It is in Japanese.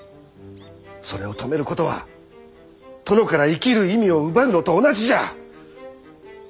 それを止めることは殿から生きる意味を奪うのと同じじゃ。